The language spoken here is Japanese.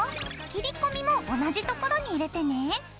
切り込みも同じところに入れてね。